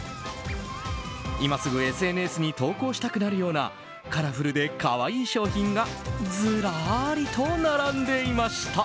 今すぐＳＮＳに投稿したくなるようなカラフルで可愛い商品がずらりと並んでいました。